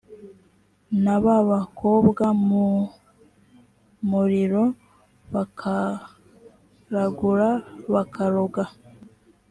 n ab abakobwa mu muriro bakaragura bakaroga